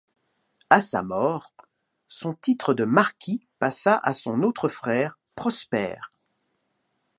À sa mort, son titre de marquis passa à son autre frère Prosper.